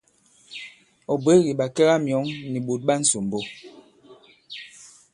Ɔ̀ bwě kì ɓàkɛgamyɔ̌ŋ nì ɓòt ɓa ǹsòmbo.